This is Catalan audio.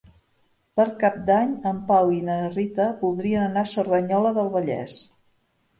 Per Cap d'Any en Pau i na Rita voldrien anar a Cerdanyola del Vallès.